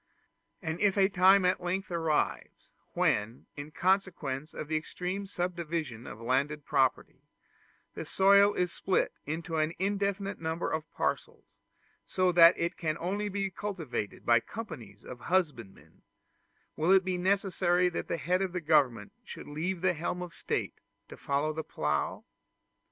And if a time at length arrives, when, in consequence of the extreme subdivision of landed property, the soil is split into an infinite number of parcels, so that it can only be cultivated by companies of husbandmen, will it be necessary that the head of the government should leave the helm of state to follow the plough?